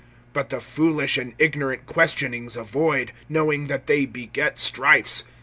(23)But the foolish and ignorant questionings avoid, knowing that they beget strifes.